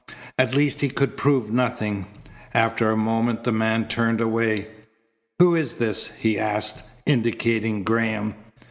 At least he could prove nothing. After a moment the man turned away. "Who is this?" he asked, indicating Graham.